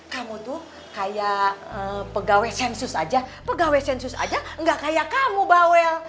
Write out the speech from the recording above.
kamu tuh kayak pegawai sensus aja pegawai sensus aja nggak kayak kamu bawel